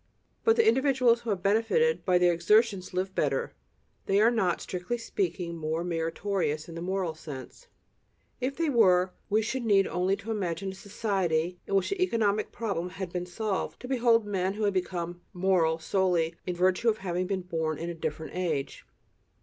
But the individuals who have benefited by their exertions "live better"; they are not, strictly speaking, "more meritorious" in the moral sense. If they were, we should only need to imagine a society in which the economic problem had been solved, to behold men who have become "moral" solely in virtue of having been born in a different age.